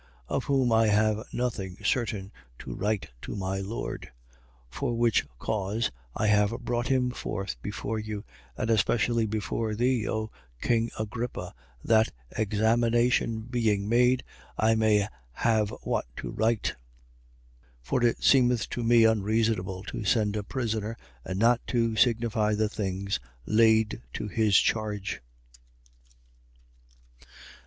25:26. Of whom I have nothing certain to write to my lord. For which cause, I have brought him forth before you, and especially before thee, O king Agrippa, that, examination being made, I may have what to write. 25:27. For it seemeth to me unreasonable to send a prisoner and not to signify the things laid to his charge.